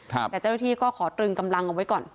แต่เจ้าหน้าที่ก็ขอตรึงกำลังเอาไว้ก่อน